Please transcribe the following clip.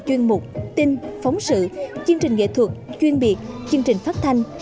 chương trình chuyên mục tin phóng sự chương trình nghệ thuật chuyên biệt chương trình phát thanh